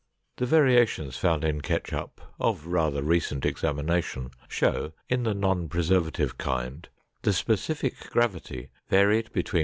The variations found in ketchup of rather recent examination show in the non preservative kind the specific gravity varied between 1.